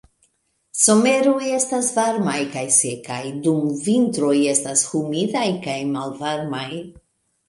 Someroj estas varmaj kaj sekaj, dum vintroj estas humidaj kaj malvarmaj.